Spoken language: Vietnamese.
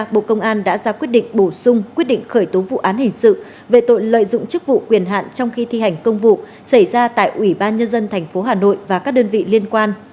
bộ công an đã ra quyết định bổ sung quyết định khởi tố vụ án hình sự về tội lợi dụng chức vụ quyền hạn trong khi thi hành công vụ xảy ra tại ủy ban nhân dân tp hà nội và các đơn vị liên quan